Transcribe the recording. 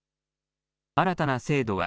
新たな制度は、